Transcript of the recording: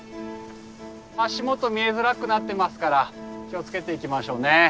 足元見えづらくなってますから気を付けて行きましょうね。